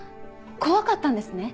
怖かったんですね。